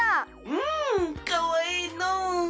うんかわええのう！